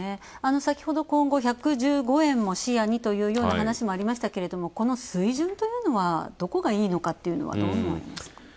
先ほど、今後１１５円を視野にというような話もありましたけどこの水準というのは、どこがいいのかっていうのはどう思われますか？